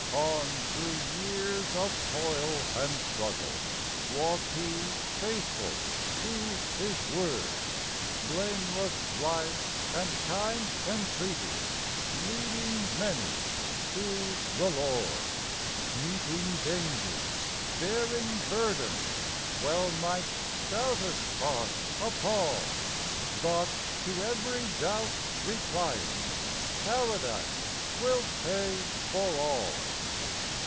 On through years of toil and struggle Walked he, faithful to his word; Blameless life and kind entreaty Leading many to the Lord. Meeting dangers, bearing burdens Well might stoutest heart appal; But to every doubt replying, "Paradise will pay for all."